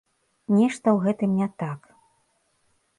Нешта ў гэтым не так.